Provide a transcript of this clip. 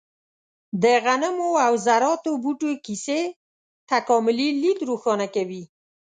د غنمو او ذراتو بوټو کیسې تکاملي لید روښانه کوي.